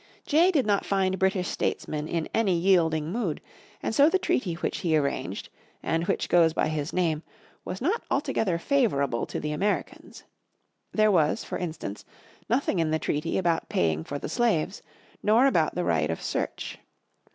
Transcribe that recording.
Jay did not find British statesmen in any yielding mood, and so the treaty which he arranged, and which goes by his name, was not altogether favourable to the Americans. There was, for instance, nothing in the treaty about paying for the slaves, nor about the right of search.